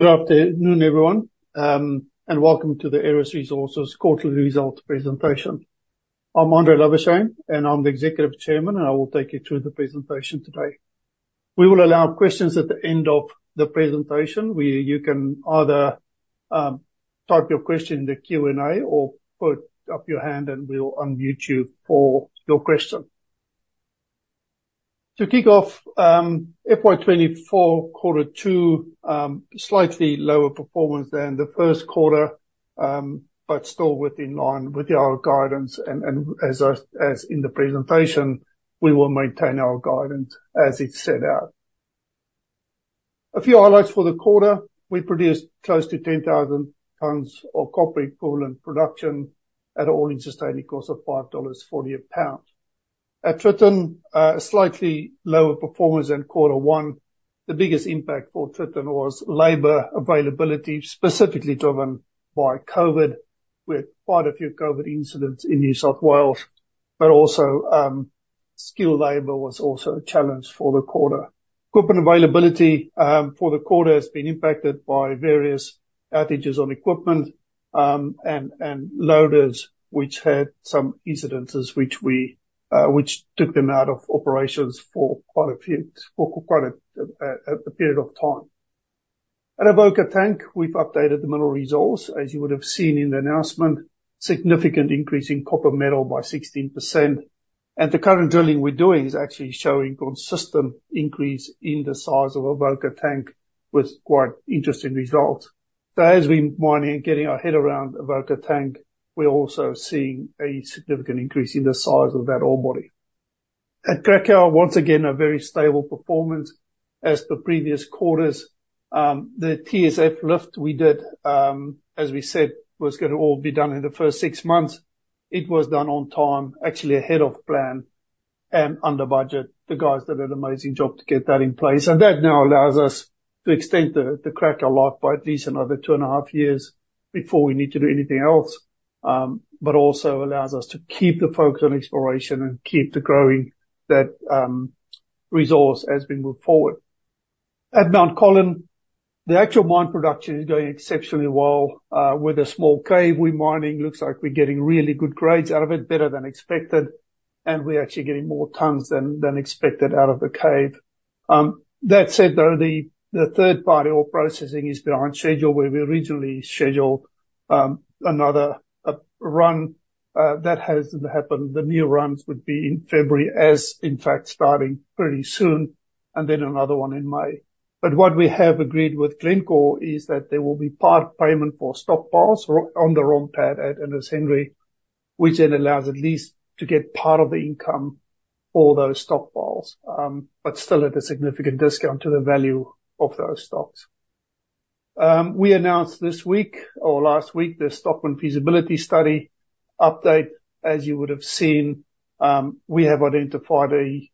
Good afternoon, everyone, and welcome to the Aeris Resources quarterly results presentation. I'm Andre Labuschagne, and I'm the Executive Chairman, and I will take you through the presentation today. We will allow questions at the end of the presentation, where you can either type your question in the Q&A or put up your hand and we'll unmute you for your question. To kick off, FY 2024 quarter two, slightly lower performance than the first quarter, but still within line with our guidance and, and as I, as in the presentation, we will maintain our guidance as it's set out. A few highlights for the quarter. We produced close to 10,000 tons of copper equivalent production at all-in sustaining cost of $5.40 a pound. At Tritton, slightly lower performance than quarter one. The biggest impact for Tritton was labor availability, specifically driven by COVID, with quite a few COVID incidents in New South Wales, but also skilled labor was also a challenge for the quarter. Equipment availability for the quarter has been impacted by various outages on equipment and loaders, which had some incidences which took them out of operations for quite a period of time. At Avoca Tank, we've updated the mineral resource, as you would have seen in the announcement, significant increase in copper metal by 16%. And the current drilling we're doing is actually showing consistent increase in the size of Avoca Tank with quite interesting results. So as we mining and getting our head around Avoca Tank, we're also seeing a significant increase in the size of that ore body. At Cracow, once again, a very stable performance as the previous quarters. The TSF lift we did, as we said, was gonna all be done in the first six months. It was done on time, actually ahead of plan and under budget. The guys did an amazing job to get that in place, and that now allows us to extend the Cracow life by at least another two and a half years before we need to do anything else. But also allows us to keep the focus on exploration and keep growing that resource as we move forward. At Mount Colin, the actual mine production is going exceptionally well, with a small cave we're mining. Looks like we're getting really good grades out of it, better than expected, and we're actually getting more tonnes than expected out of the cave. That said, though, the third-party ore processing is behind schedule, where we originally scheduled another run. That hasn't happened. The new runs would be in February, as in fact, starting pretty soon, and then another one in May. But what we have agreed with Glencore is that there will be part payment for stock piles on the ROM pad at Ernest Henry, which then allows at least to get part of the income for those stock piles, but still at a significant discount to the value of those stocks. We announced this week or last week, the Stockman feasibility study update. As you would have seen, we have identified a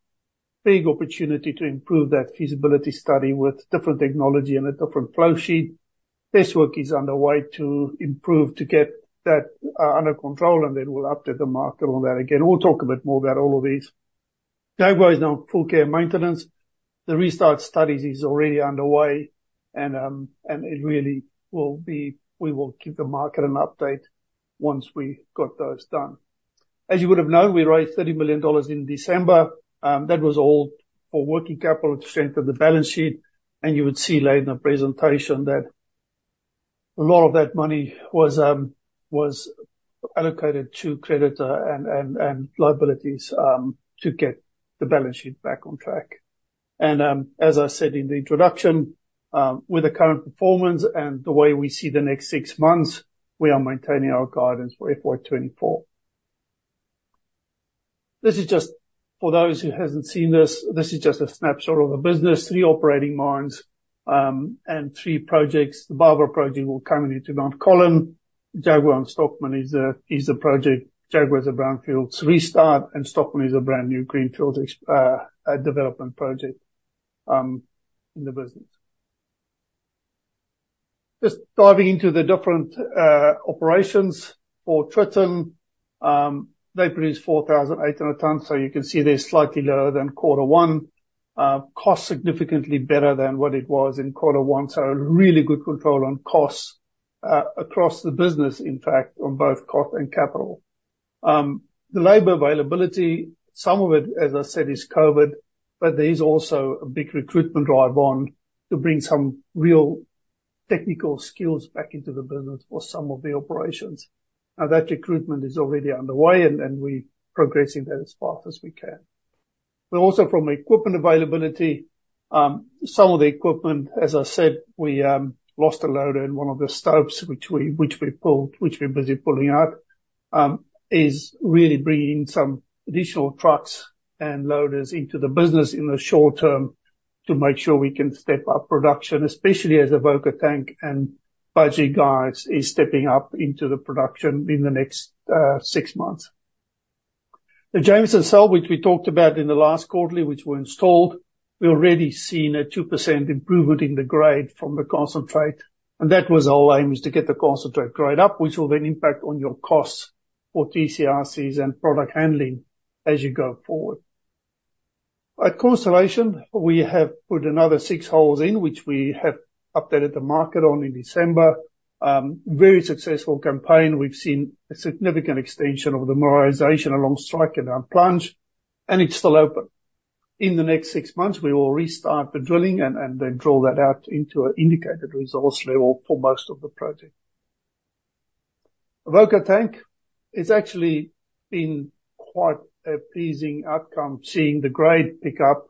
big opportunity to improve that feasibility study with different technology and a different flow sheet. This work is underway to improve, to get that under control, and then we'll update the market on that. Again, we'll talk a bit more about all of these. Jaguar is now in full care and maintenance. The restart studies is already underway, and it really will be we will give the market an update once we got those done. As you would have known, we raised $30 million in December. That was all for working capital to strengthen the balance sheet, and you would see later in the presentation that a lot of that money was allocated to creditors and liabilities to get the balance sheet back on track. As I said in the introduction, with the current performance and the way we see the next six months, we are maintaining our guidance for FY 2024. This is just for those who hasn't seen this, this is just a snapshot of the business. Three operating mines, and three projects. The Barbara project will come into Mount Colin. Jaguar and Stockman is a project. Jaguar is a brownfields restart, and Stockman is a brand-new greenfields development project, in the business. Just diving into the different operations. For Tritton, they produced 4,800 tons, so you can see they're slightly lower than quarter one. Cost significantly better than what it was in quarter one, so really good control on costs, across the business, in fact, on both cost and capital. The labor availability, some of it, as I said, is COVID, but there is also a big recruitment drive on to bring some real technical skills back into the business for some of the operations. Now, that recruitment is already underway, and we're progressing that as fast as we can. But also from equipment availability, some of the equipment, as I said, we lost a loader in one of the stopes, which we're busy pulling out, is really bringing some additional trucks and loaders into the business in the short term to make sure we can step up production, especially as Avoca Tank and Budgerygar is stepping up into the production in the next six months. The Jameson Cell, which we talked about in the last quarterly, which were installed, we've already seen a 2% improvement in the grade from the concentrate, and that was our aim, is to get the concentrate grade up, which will then impact on your costs for TCRCs and product handling as you go forward. At Constellation, we have put another six holes in which we have updated the market on in December. Very successful campaign. We've seen a significant extension of the mineralization along strike and down plunge, and it's still open. In the next six months, we will restart the drilling and then draw that out into an indicated resource level for most of the project. Avoca Tank, it's actually been quite a pleasing outcome, seeing the grade pick up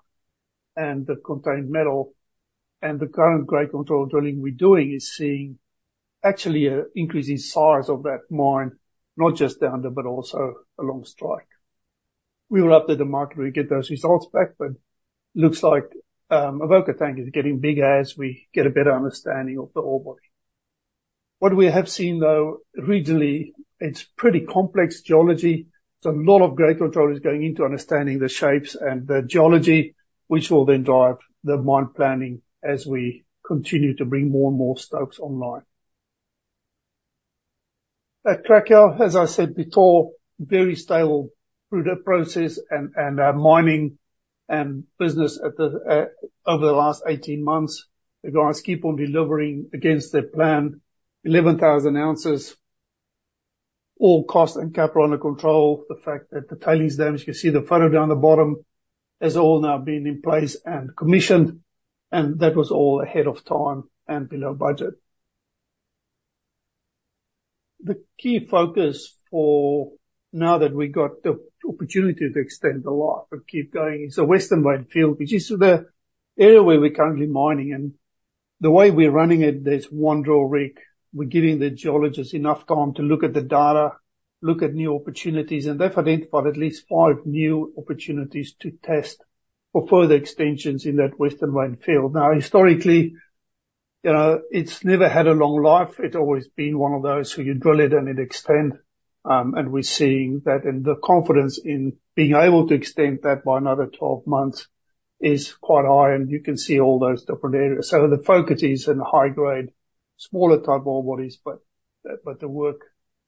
and the contained metal, and the current grade control drilling we're doing is seeing actually an increase in size of that mine, not just down there, but also along strike. We will update the market when we get those results back, but looks like Avoca Tank is getting bigger as we get a better understanding of the ore body. What we have seen, though, regionally, it's pretty complex geology, so a lot of grade control is going into understanding the shapes and the geology, which will then drive the mine planning as we continue to bring more and more stopes online. At Cracow, as I said before, very stable through the process and our mining and business over the last 18 months. The guys keep on delivering against their plan. 11,000 ounces, all cost and capital under control. The fact that the tailings dam, you can see the photo down the bottom, has all now been in place and commissioned, and that was all ahead of time and below budget. The key focus for now that we got the opportunity to extend the life and keep going is the Western Mine Field, which is the area where we're currently mining. The way we're running it, there's one drill rig. We're giving the geologists enough time to look at the data, look at new opportunities, and they've identified at least five new opportunities to test for further extensions in that Western Mine Field. Now, historically, you know, it's never had a long life. It's always been one of those, so you drill it and it extend, and we're seeing that. The confidence in being able to extend that by another 12 months is quite high, and you can see all those different areas. So the focus is in high-grade, smaller type ore bodies, but, but the work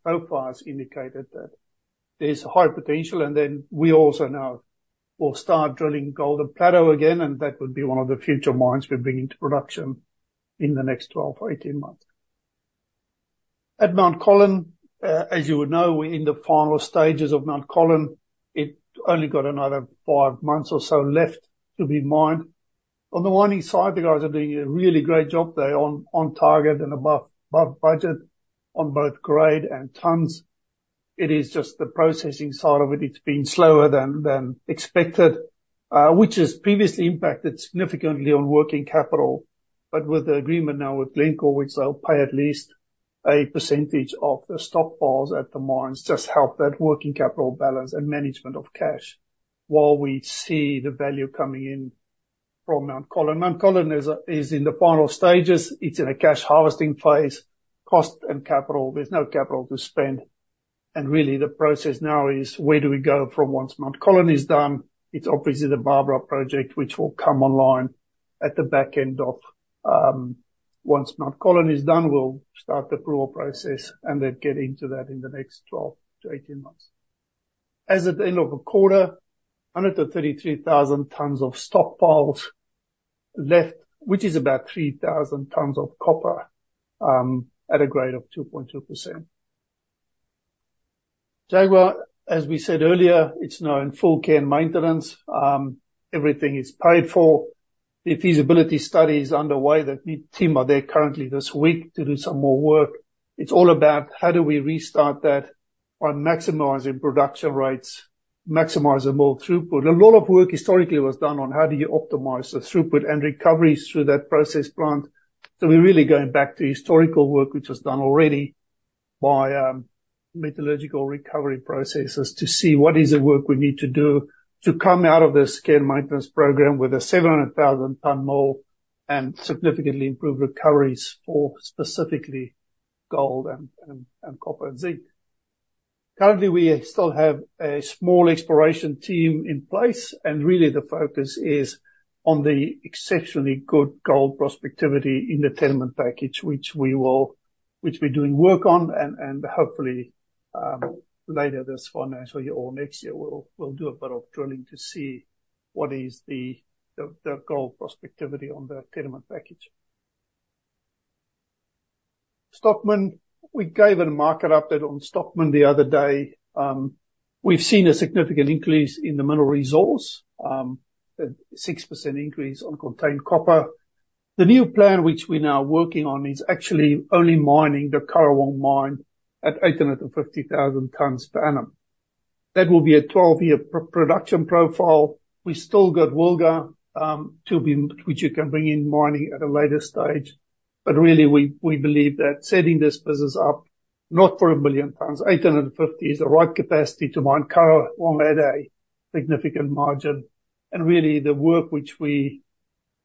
profiles indicated that there's a high potential, and then we also now will start drilling Golden Plateau again, and that would be one of the future mines we bring into production in the next 12 or 18 months. At Mount Colin, as you would know, we're in the final stages of Mount Colin. It only got another five months or so left to be mined. On the mining side, the guys are doing a really great job. They're on, on target and above, above budget on both grade and tons. It is just the processing side of it, it's been slower than expected, which has previously impacted significantly on working capital. But with the agreement now with Glencore, which they'll pay at least a percentage of the stockpiles at the mines, just help that working capital balance and management of cash while we see the value coming in from Mount Colin. Mount Colin is in the final stages. It's in a cash harvesting phase, cost and capital. There's no capital to spend, and really, the process now is where do we go from once Mount Colin is done? It's obviously the Barbara project, which will come online at the back end of. Once Mount Colin is done, we'll start the approval process and then get into that in the next 12-18 months. As at the end of the quarter, 133,000 tons of stockpiles left, which is about 3,000 tons of copper at a grade of 2.2%. Jaguar, as we said earlier, it's now in full care and maintenance. Everything is paid for. The feasibility study is underway. The team are there currently this week to do some more work. It's all about how do we restart that by maximizing production rates, maximize the mill throughput. A lot of work historically was done on how do you optimize the throughput and recoveries through that process plant. So we're really going back to historical work, which was done already by metallurgical recovery processes, to see what is the work we need to do to come out of this care and maintenance program with a 700,000-ton mill and significantly improve recoveries for specifically gold and copper and zinc. Currently, we still have a small exploration team in place, and really, the focus is on the exceptionally good gold prospectivity in the tenement package, which we're doing work on, and hopefully later this financial year or next year, we'll do a bit of drilling to see what is the gold prospectivity on the tenement package. Stockman. We gave a market update on Stockman the other day. We've seen a significant increase in the mineral resource, a 6% increase on contained copper. The new plan, which we're now working on, is actually only mining the Currawong mine at 850,000 tons per annum. That will be a 12-year pre-production profile. We've still got Wilga, to be, which you can bring in mining at a later stage. But really, we believe that setting this business up not for a billion pounds, 850, is the right capacity to mine Currawong at a significant margin. And really, the work which we've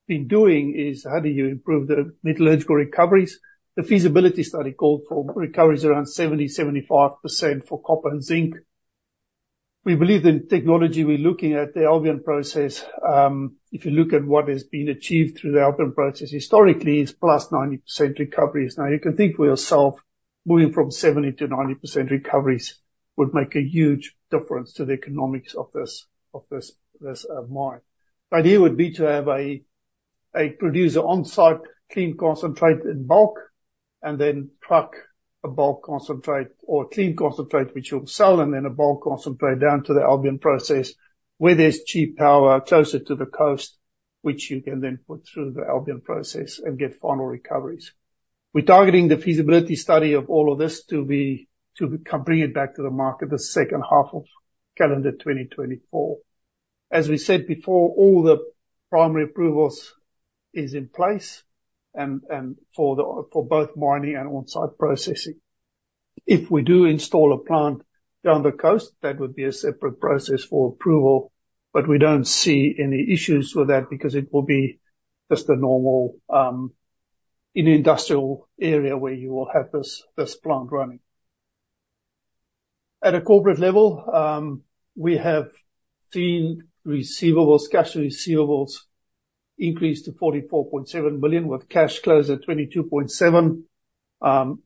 been doing is how do you improve the metallurgical recoveries? The feasibility study called for recoveries around 70%-75% for copper and zinc. We believe the technology we're looking at, the Albion Process, if you look at what has been achieved through the Albion Process historically, is 90% recoveries. Now, you can think for yourself. Moving from 70%-90% recoveries would make a huge difference to the economics of this mine. The idea would be to have a producer on-site clean concentrate in bulk, and then truck a bulk concentrate or clean concentrate, which you'll sell, and then a bulk concentrate down to the Albion Process, where there's cheap power closer to the coast, which you can then put through the Albion Process and get final recoveries. We're targeting the feasibility study of all of this to be, to bring it back to the market the second half of calendar 2024. As we said before, all the primary approvals is in place and for both mining and on-site processing. If we do install a plant down the coast, that would be a separate process for approval, but we don't see any issues with that because it will be just a normal in industrial area where you will have this plant running. At a corporate level, we have seen receivables, cash receivables increase to 44.7 billion, with cash close at 22.7 billion.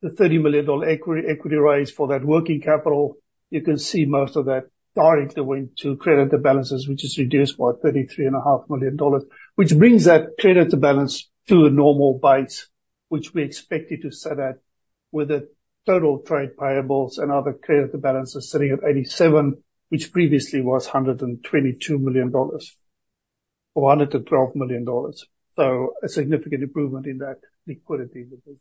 The $30 million equity raise for that working capital, you can see most of that directly went to creditor balances, which is reduced by $33.5 million, which brings that creditor balance to a normal base, which we expected to set at, with the total trade payables and other creditor balances sitting at 87 million, which previously was $122 million or $112 million. So a significant improvement in that liquidity with it.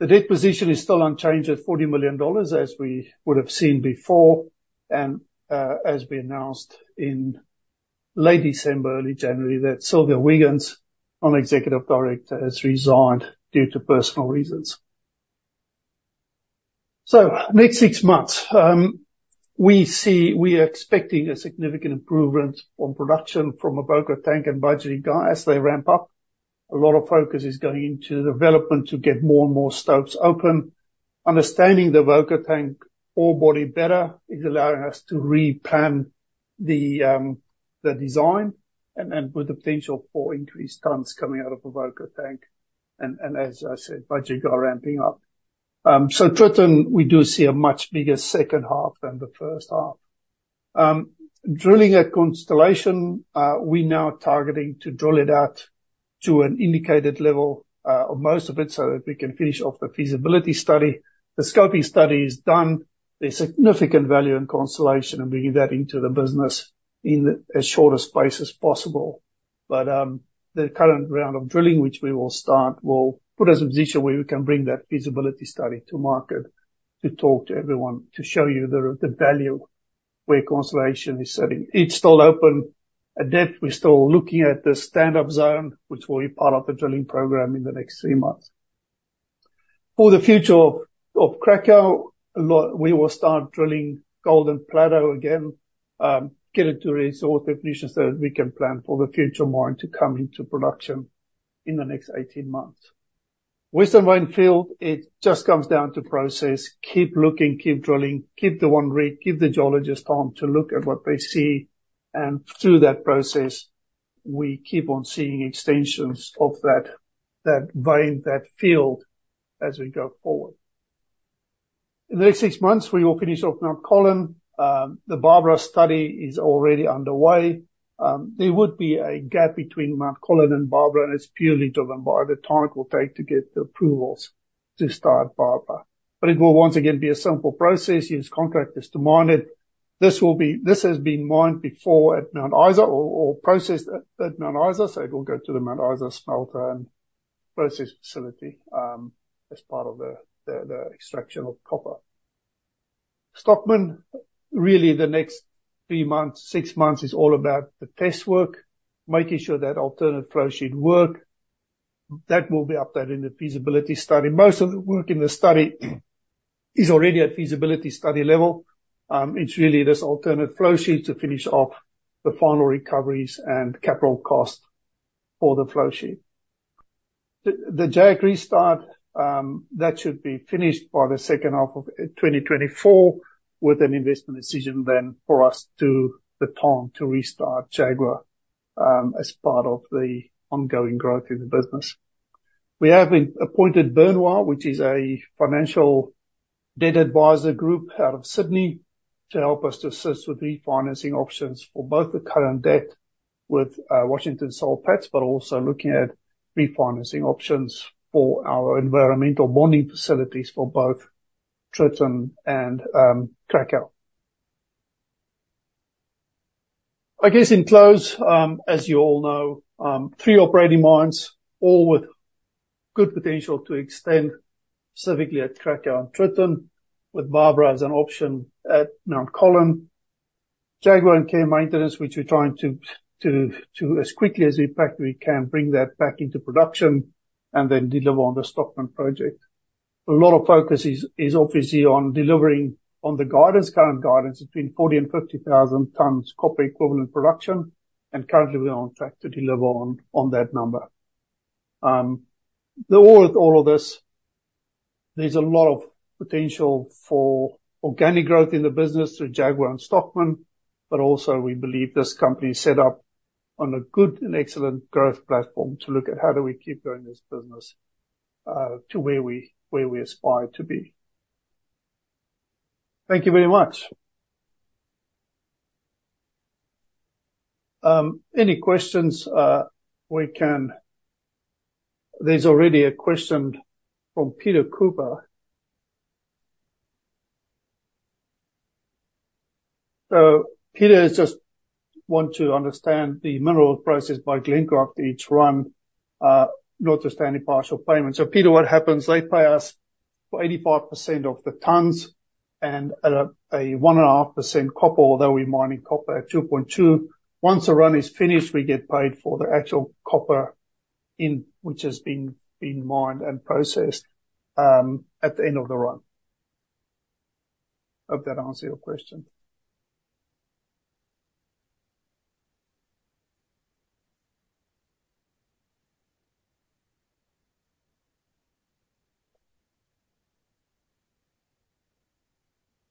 The debt position is still unchanged at $40 million, as we would have seen before, and, as we announced in late December, early January, that Sylvia Wiggins, non-executive director, has resigned due to personal reasons. So next six months, we see we are expecting a significant improvement on production from Avoca Tank and Budgerygar as they ramp up. A lot of focus is going into development to get more and more stopes open. Understanding the Avoca Tank ore body better is allowing us to re-plan the, the design and, and with the potential for increased tons coming out of Avoca Tank. And, and as I said, Budgerygar ramping up. So Tritton, we do see a much bigger second half than the first half. Drilling at Constellation, we now are targeting to drill it out to an indicated level of most of it, so that we can finish off the feasibility study. The scoping study is done. There's significant value in Constellation and bringing that into the business in as shortest space as possible. But, the current round of drilling, which we will start, will put us in a position where we can bring that feasibility study to market, to talk to everyone, to show you the, the value where Constellation is sitting. It's still open at depth. We're still looking at the stand-up zone, which will be part of the drilling program in the next three months. For the future of Cracow, a lot, we will start drilling Golden Plateau again, get it to resource definition so that we can plan for the future mine to come into production in the next 18 months. Western Mine Field, it just comes down to process. Keep looking, keep drilling, keep the one rig, give the geologist time to look at what they see, and through that process, we keep on seeing extensions of that vein, that field as we go forward. In the next six months, we will finish off Mount Colin. The Barbara study is already underway. There would be a gap between Mount Colin and Barbara, and it's purely driven by the time it will take to get the approvals to start Barbara. But it will once again be a simple process, use contractors to mine it. This has been mined before at Mount Isa or processed at Mount Isa, so it will go to the Mount Isa smelter and process facility as part of the extraction of copper. Stockman, really, the next three months, six months, is all about the test work, making sure that alternate flow sheet work. That will be updated in the feasibility study. Most of the work in the study is already at feasibility study level. It's really this alternate flow sheet to finish off the final recoveries and capital cost for the flow sheet. The Jaguar restart, that should be finished by the second half of 2024, with an investment decision then for us to the time to restart Jaguar, as part of the ongoing growth in the business. We have been appointed Burnvoir, which is a financial debt advisor group out of Sydney, to help us to assist with refinancing options for both the current debt with Washington H. Soul Pattinson, but also looking at refinancing options for our environmental bonding facilities for both Tritton and Cracow. I guess, in closing, as you all know, three operating mines, all with good potential to extend, specifically at Cracow and Tritton, with Barbara as an option at Mount Colin. Jaguar on care and maintenance, which we're trying to, as quickly as we practically can, bring that back into production and then deliver on the Stockman Project. A lot of focus is obviously on delivering on the guidance, current guidance between 40,000 and 50,000 tons copper equivalent production, and currently we're on track to deliver on that number. All of this, there's a lot of potential for organic growth in the business through Jaguar and Stockman, but also we believe this company is set up on a good and excellent growth platform to look at how do we keep growing this business to where we aspire to be. Thank you very much. Any questions, we can. There's already a question from Peter Cooper. So Peter just want to understand the mineral process by Glencore each run, notwithstanding partial payments. So Peter, what happens, they pay us for 85% of the tons and at a 1.5% copper, although we mining copper at 2.2. Once the run is finished, we get paid for the actual copper in, which has been mined and processed, at the end of the run. I hope that answers your question.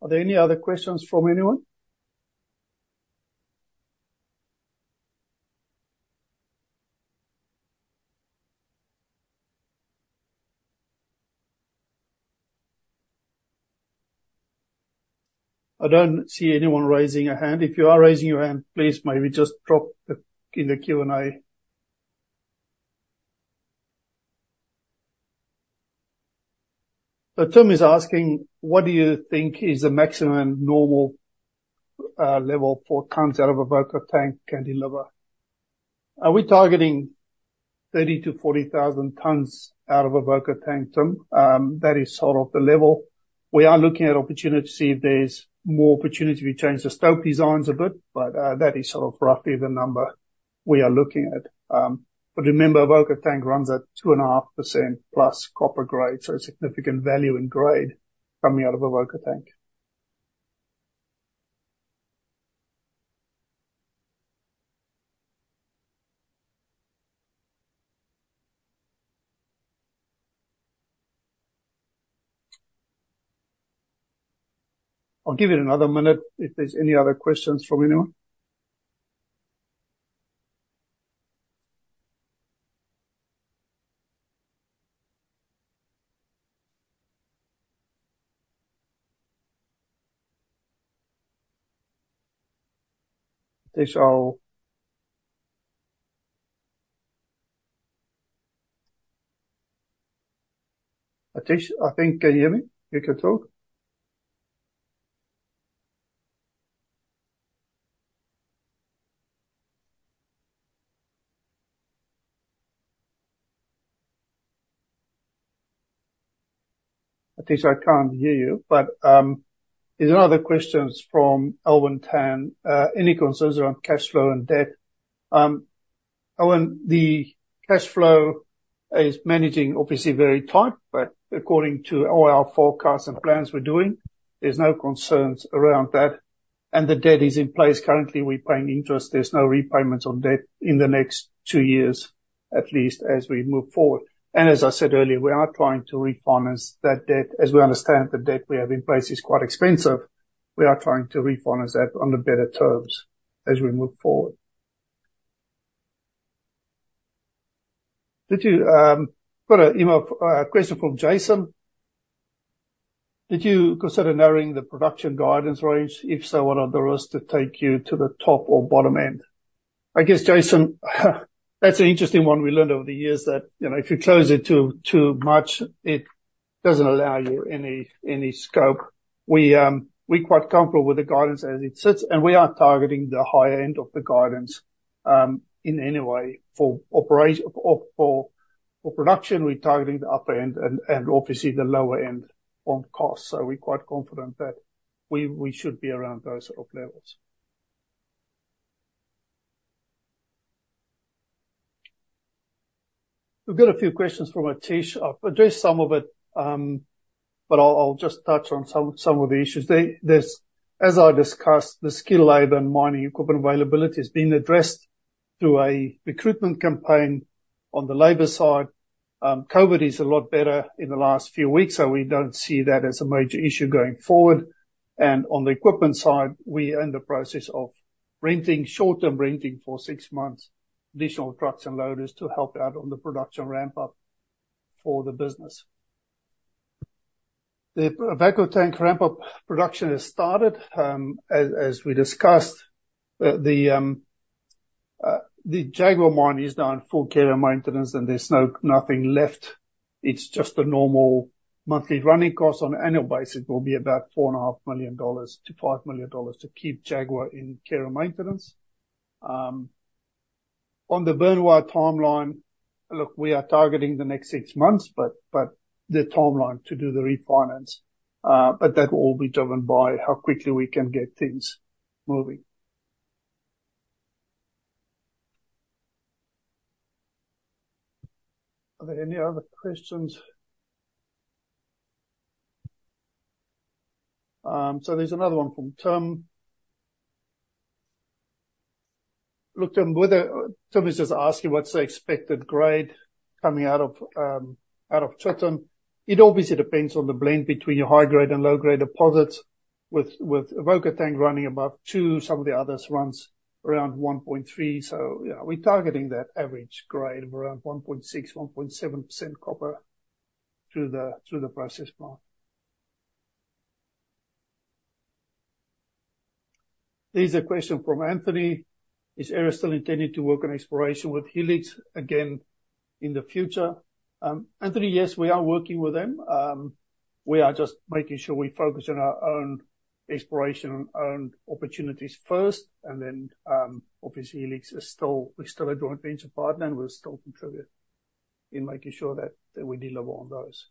Are there any other questions from anyone? I don't see anyone raising a hand. If you are raising your hand, please maybe just drop it in the Q&A. So Tim is asking: what do you think is the maximum normal level for tons out of a Avoca Tank can deliver? We're targeting 30,000-40,000 tons out of a Avoca Tank, Tim. That is sort of the level. We are looking at opportunity to see if there's more opportunity to change the stope designs a bit, but that is sort of roughly the number we are looking at. But remember, Avoca Tank runs at 2.5%+ copper grade, so a significant value in grade coming out of a Avoca Tank. I'll give it another minute if there's any other questions from anyone. There's all. Atish, I think, can you hear me? You can talk. Atish, I can't hear you, but there are other questions from Alvin Tan. Any concerns around cash flow and debt? Alvin, the cash flow is managing obviously very tight, but according to all our forecasts and plans we're doing, there's no concerns around that, and the debt is in place. Currently, we're paying interest. There's no repayments on debt in the next two years, at least as we move forward. As I said earlier, we are trying to refinance that debt. As we understand, the debt we have in place is quite expensive. We are trying to refinance that on the better terms as we move forward. Did you got an email question from Jason. Did you consider narrowing the production guidance range? If so, what are the risks to take you to the top or bottom end? I guess, Jason, that's an interesting one we learned over the years that, you know, if you close it too much, it doesn't allow you any scope. We're quite comfortable with the guidance as it sits, and we are targeting the higher end of the guidance in any way. For operations—for production, we're targeting the upper end and obviously the lower end on cost. So we're quite confident that we should be around those sort of levels. We've got a few questions from Atish. I've addressed some of it, but I'll just touch on some of the issues. There's—as I discussed, the skilled labor and mining equipment availability is being addressed through a recruitment campaign on the labor side. COVID is a lot better in the last few weeks, so we don't see that as a major issue going forward. And on the equipment side, we are in the process of renting, short-term renting for six months, additional trucks and loaders to help out on the production ramp-up for the business. The Avoca Tank ramp-up production has started. As we discussed, the Jaguar mine is now in full care and maintenance, and there's nothing left. It's just a normal monthly running cost. On an annual basis, it will be about $4.5 million-$5 million to keep Jaguar in care and maintenance. On the Burnvoir timeline, look, we are targeting the next six months, but the timeline to do the refinance, but that will all be driven by how quickly we can get things moving. Are there any other questions? So there's another one from Tim. Look, Tim, Tim is just asking: what's the expected grade coming out of out of Tritton? It obviously depends on the blend between your high-grade and low-grade deposits with Avoca Tank running above two, some of the others runs around 1.3. So yeah, we're targeting that average grade of around 1.6%-1.7% copper through the process mine. There's a question from Anthony. Is Aeris still intending to work on exploration with Helix again in the future? Anthony, yes, we are working with them. We are just making sure we focus on our own exploration and own opportunities first, and then, obviously, Helix is still, we're still a joint venture partner, and we'll still contribute in making sure that we deliver on those.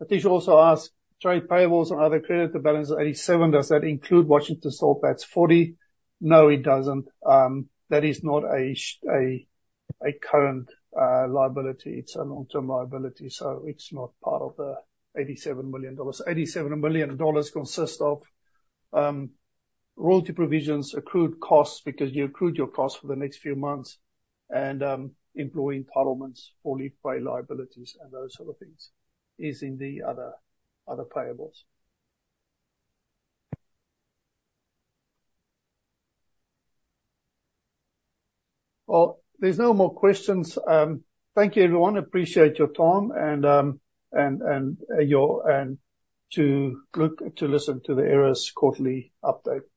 Atish also asked, trade payables and other credit, the balance of 87, does that include Washington H. Soul Pattinson 40? No, it doesn't. That is not a current liability. It's a long-term liability, so it's not part of the $87 million. $87 million consists of royalty provisions, accrued costs, because you accrued your costs for the next few months, and employee entitlements for leave pay liabilities and those sort of things is in the other payables. Well, there's no more questions. Thank you, everyone. Appreciate your time, and to listen to the Aeris quarterly update. Thank you very much.